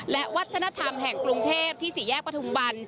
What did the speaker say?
และวัฒนธรรมแห่งกรุงเทพที่สี่แยกประทุมวัน